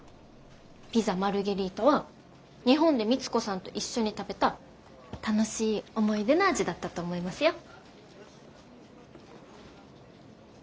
ピザ・マルゲリータは日本で光子さんと一緒に食べた楽しい思い出の味だったと思いますよ。